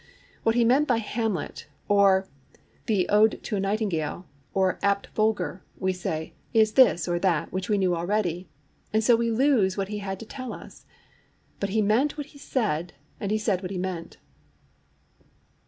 What he [Pg 30] meant by Hamlet, or the Ode to a Nightingale, or Abt Vogler, we say, is this or that which we knew already; and so we lose what he had to tell us. But he meant what he said, and said what he meant.